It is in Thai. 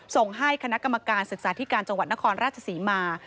ส่งให้คณะกรรมการศึกษาธิการจังหวัดนครราชศรีมา